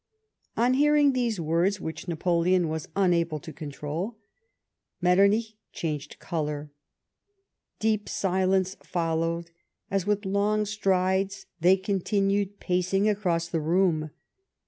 " On hearing these words, which Napoleon was unable to control, Metternich changed colour. Deep silence followed, as, with long strides, they continued pacing across the room.